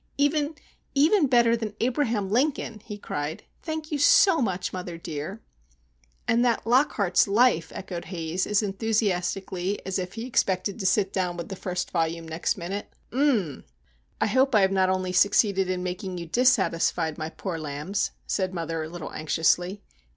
"Even, even, better than Abraham Lincoln!" he cried. "Thank you so much, mother dear!" "And that Lockhart's Life!" echoed Haze, as enthusiastically as if he expected to sit down to the first volume next minute. "U m m!!" "I hope I have not only succeeded in making you dissatisfied, my poor lambs," said mother, a little anxiously.